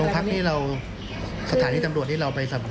โรงพรักษณ์ที่เราสถานีจำรวจที่เราไปสนับสมุน